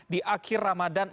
di akhir ramadhan